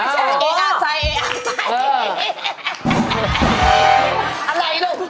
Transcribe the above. หลายละครู